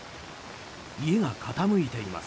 家が傾いています。